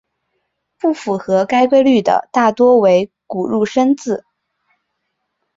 不符合该规律的大多为古入声字。